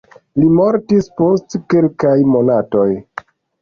Li mortis post kelkaj monatoj.